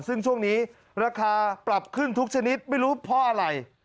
ซึ่งช่วงนี้ราคาปรับขึ้นทุกชนิดไม่รู้เพราะอะไร